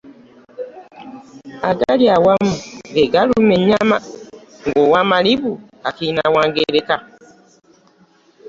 Agali awamu, ge galuma ennyama, ng’owamalibu akiina wa ngereka.